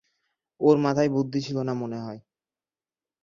ওর মাথায় বুদ্ধি ছিল না মনে হয়।